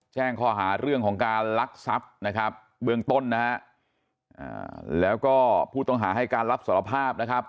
แจ้งข้อหาเรื่องของการลักทรัพย์นะครับเบื้องต้นนะฮะแล้วก็ผู้ต้องหาให้การรับสารภาพนะครับ